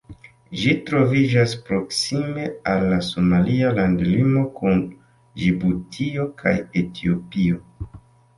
Ĝi troviĝas proksime al la somalia landlimo kun Ĝibutio kaj Etiopio.